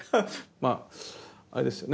まああれですよね